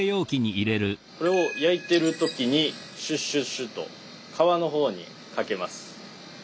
これを焼いてる時にシュッシュッシュッと皮の方にかけます。